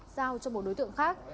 giao cho một đối tượng khác